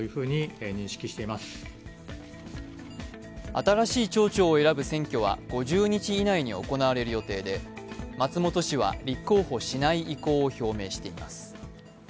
新しい町長を選ぶ選挙は５０日以内に行われる予定で松本氏は立候補しない意向を表明しています。